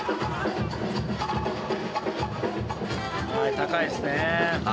はい高いですね。